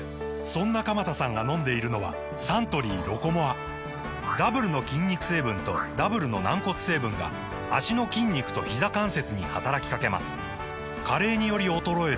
そんな鎌田さんが飲んでいるのはサントリー「ロコモア」ダブルの筋肉成分とダブルの軟骨成分が脚の筋肉とひざ関節に働きかけます加齢により衰える歩く速さを維持することが報告されています